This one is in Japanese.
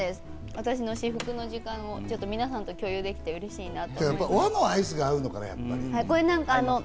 私の至福の時間を皆さんと共有できて嬉しいな。